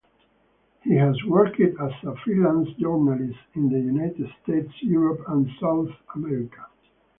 He has worked as freelance journalist in the United States, Europe and South America.